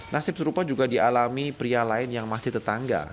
nasib serupa juga dialami pria lain yang masih tetangga